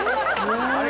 あれ？